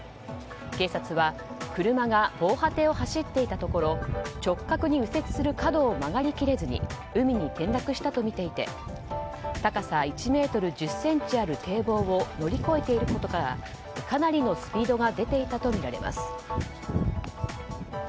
警察は車が防波堤を走っていたところ直角に右折する角を曲がり切れずに海に転落したとみていて高さ１ｍ１０ｃｍある堤防を乗り越えていることからかなりのスピードが出ていたとみられます。